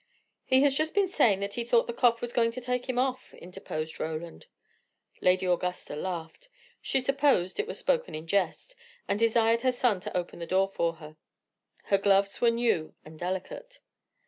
"He has just been saying that he thought the cough was going to take him off," interposed Roland. Lady Augusta laughed; she supposed it was spoken in jest; and desired her son to open the door for her. Her gloves were new and delicate.